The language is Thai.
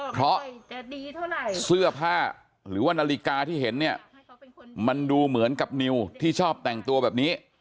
เพราะเสื้อผ้าหรือว่านาฬิกาที่เห็นเนี่ยมันดูเหมือนกับนิวที่ชอบแต่งตัวแบบนี้